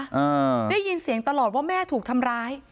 อ่าได้ยินเสียงตลอดว่าแม่ถูกทำร้าย